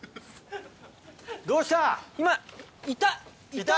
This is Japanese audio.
どうした？